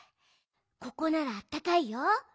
ここならあったかいよ。